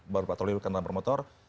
berpatroli berkandalan per motor